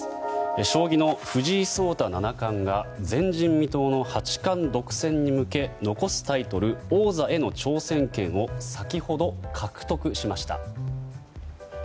将棋の藤井聡太七冠が前人未到の八冠独占に向け残すタイトル、王座への挑戦権を先ほど獲得しました。